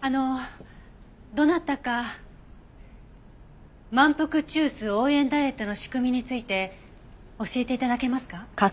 あのどなたか「満腹中枢応援ダイエット」の仕組みについて教えて頂けますか？